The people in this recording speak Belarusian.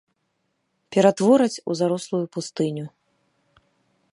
Ператвораць у зарослую пустыню.